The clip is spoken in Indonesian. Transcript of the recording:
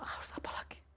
harus apa lagi